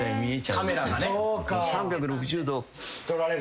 カメラがね。